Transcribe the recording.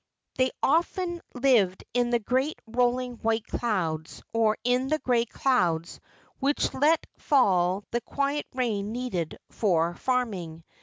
They often lived in the great rolling white clouds, or in the gray clouds which let fall the quiet rain needed for farming.